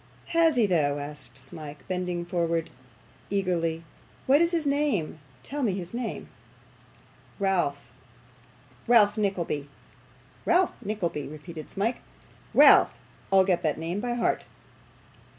'Has he though?' asked Smike, bending eagerly forward. 'What is his name? Tell me his name.' 'Ralph Ralph Nickleby.' 'Ralph Nickleby,' repeated Smike. 'Ralph. I'll get that name by heart.